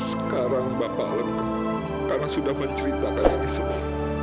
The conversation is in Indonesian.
sekarang bapak lengkap karena sudah menceritakan ini semua